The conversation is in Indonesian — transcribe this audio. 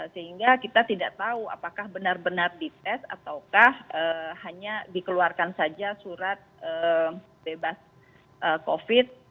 sehingga kita tidak tahu apakah benar benar dites ataukah hanya dikeluarkan saja surat bebas covid